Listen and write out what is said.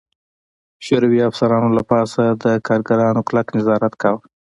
شوروي افسرانو له پاسه د کارګرانو کلک نظارت کاوه